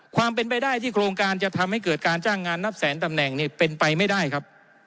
ความเป็นไปได้ที่โครงการจะทำให้เกิดการจ้างงานนับแสนตำแหน่งเป็นไปไม่ได้ครับ